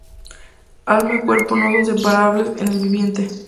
Alma y cuerpo no son separables en el viviente.